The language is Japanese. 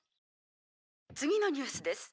「次のニュースです」